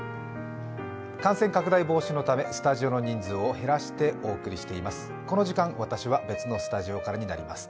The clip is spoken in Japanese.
感染拡大防止のためスタジオの人数を減らしてお送りしています。